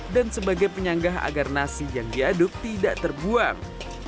dan sebagai penyanggah agar nasi yang diaduk tidak terbuang